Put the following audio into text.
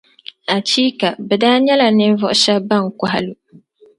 Achiika! Bɛ daa nyɛla ninvuɣu shεba ban kɔhi lu.